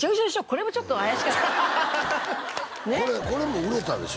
これもちょっと怪しかったこれも売れたでしょ？